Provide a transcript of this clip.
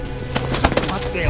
ちょっと待てよ！